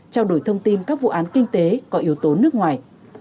trao đổi thông tin các vụ án kinh tế có yếu tố nước ngoài